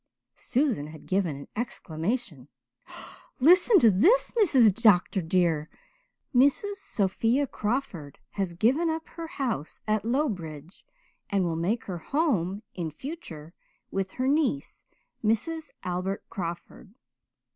Susan had given an exclamation. "Listen to this, Mrs. Dr. dear. 'Mrs. Sophia Crawford has given up her house at Lowbridge and will make her home in future with her niece, Mrs. Albert Crawford.'